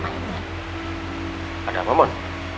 ada apa mon